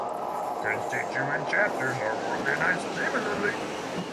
Constituent chapters are organized similarly.